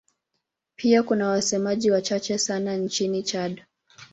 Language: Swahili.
Pia kuna wasemaji wachache sana nchini Chad.